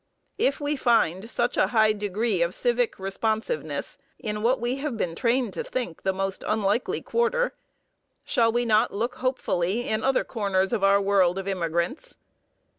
If we find such a high degree of civic responsiveness in what we have been trained to think the most unlikely quarter, shall we not look hopefully in other corners of our world of immigrants?